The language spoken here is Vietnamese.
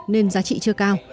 nên giá trị chưa cao